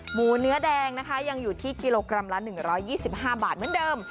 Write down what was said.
หมูเนื้อแดงนะคะยังอยู่ที่กิโลกรัมละ๑๒๕บาทเหมือนเดิม